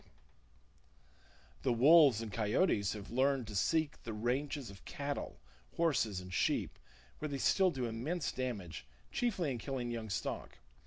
[Page 79] The wolves and coyotes have learned to seek the ranges of cattle, horses and sheep, where they still do immense damage, chiefly in killing young stock.